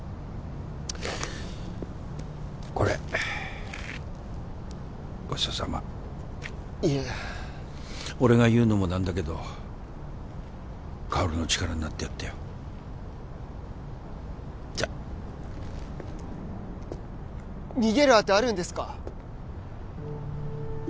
これごちそうさまいえ俺が言うのもなんだけど香の力になってやってよじゃ逃げるあてあるんですか？